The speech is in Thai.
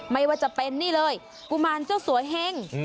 ไม่ว่าจะเป็นนี่เลยกุมารเจ้าสัวเฮง